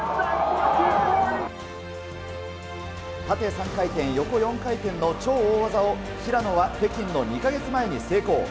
縦３回転、横４回転の超大技を平野は北京の２か月前に成功。